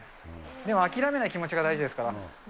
でも諦めない気持ちが大事ですか